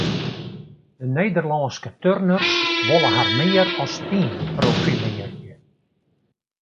De Nederlânske turners wolle har mear as team profilearje.